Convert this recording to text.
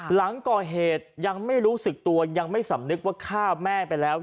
หลังก่อเหตุยังไม่รู้สึกตัวยังไม่สำนึกว่าฆ่าแม่ไปแล้ว